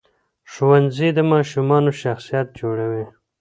ښوونځی د ماشومانو شخصیت جوړوي.